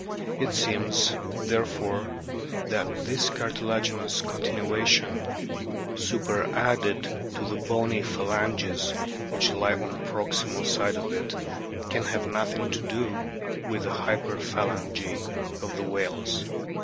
It seems, there fore, that this cartilaginous continuation, superadded to the bony phalanges which lie on the proximal side of it, can have nothing to do with the hyper phalangy of the whales.